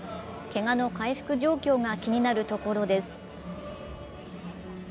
けがの回復状況が気になるところです。